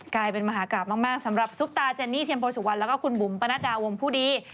กลายเป็นมหากราบมากสำหรับซุปตาเจนนี่เทียมโพสุวรรณแล้วก็คุณบุ๋มปนัดดาวงผู้ดี